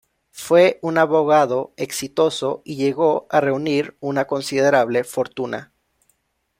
Fue un abogado exitoso y llegó a reunir una considerable fortuna.